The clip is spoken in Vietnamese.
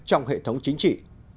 trong hệ thống chính trị